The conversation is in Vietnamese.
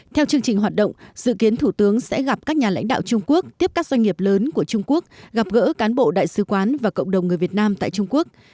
theo chương trình hoạt động dự kiến thủ tướng sẽ gặp các nhà lãnh đạo trung quốc tiếp các doanh nghiệp lớn của trung quốc gặp gỡ cán bộ đại sứ quán và cộng đồng người việt nam tại trung quốc